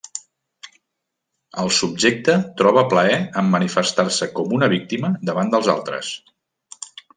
El subjecte troba plaer en manifestar-se com una víctima davant dels altres.